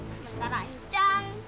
sementara ini cang